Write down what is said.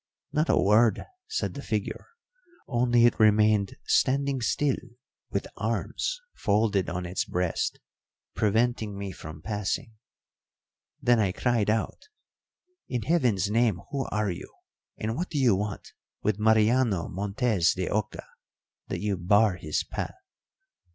Not a word said the figure; only itremained standing still with arms folded on its breast, preventing me from passing. Then I cried out, 'In Heaven's name, who are you, and what do you want with Mariano Montes de Oca, that you bar his path?'